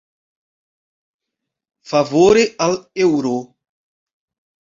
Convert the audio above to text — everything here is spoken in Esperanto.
Favore al eŭro.